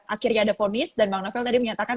akhirnya ada fonis dan bang novel tadi menyatakan